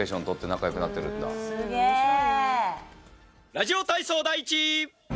ラジオ体操第一。